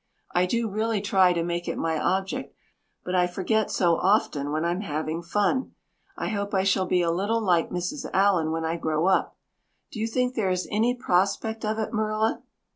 I do really try to make it my object but I forget so often when I'm having fun. I hope I shall be a little like Mrs. Allan when I grow up. Do you think there is any prospect of it, Marilla?"